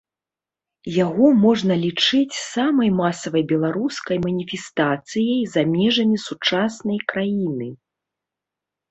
Яго можна лічыць самай масавай беларускай маніфестацыяй за межамі сучаснай краіны.